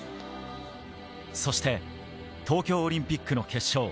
そして、東京オリンピックの決勝。